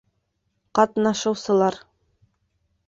Ҡатнашыусылар